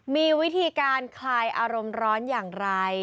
มีวิธีการคลายอารมณ์ร้อนอย่างไร